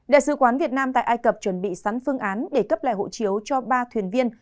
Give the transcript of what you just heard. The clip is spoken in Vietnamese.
đại sứ quán việt nam tại ai cập chuẩn bị sẵn phương án để cấp lại hộ chiếu cho ba thuyền viên